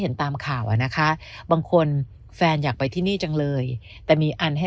ตามข่าวอ่ะนะคะบางคนแฟนอยากไปที่นี่จังเลยแต่มีอันให้